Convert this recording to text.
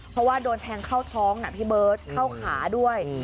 เพราะว่าโดนแทงเข้าท้องนะพี่เบิร์ตเข้าขาด้วย